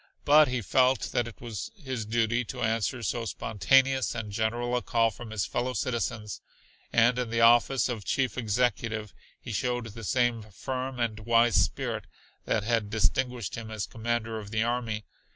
But he felt that it was his duty to answer so spontaneous and general a call from his fellow citizens, and in the office of chief executive he showed the same firm and wise spirit that had distinguished him as commander of the army.